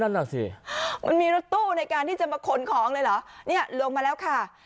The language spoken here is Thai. นั่นน่ะสิมันมีรถตู้ในการที่จะมาขนของเลยเหรอเนี่ยลงมาแล้วค่ะ